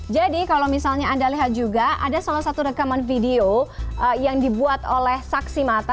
jadi kalau misalnya anda lihat juga ada salah satu rekaman video yang dibuat oleh saksi mata